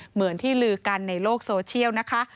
เหมือนที่ลือกันในโลกโซเชียลนะคะ